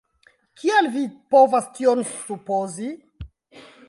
kial vi povas tion supozi?